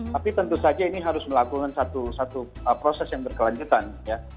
tapi tentu saja ini harus melakukan satu proses yang berkelanjutan ya